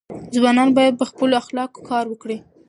ځوانان باید په خپلو اخلاقو کار وکړي.